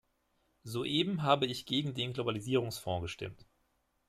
Soeben habe ich gegen den Globalisierungsfonds gestimmt.